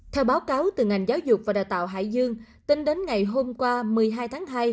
theo báo cáo từ ngành giáo dục và đào tạo hải dương tính đến ngày hôm qua một mươi hai tháng hai